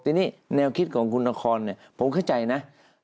ทีนี้แนวคิดของคุณนครผมเข้าใจนะ